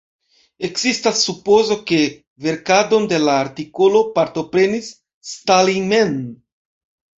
Ekzistas supozo, ke verkadon de la artikolo partoprenis Stalin mem.